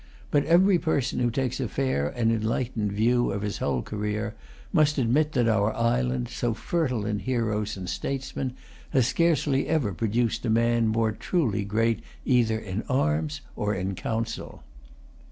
But every person who takes a fair and enlightened view of his whole career must admit that our island, so fertile in heroes and statesmen, has scarcely ever produced a man more truly great either in arms or in council.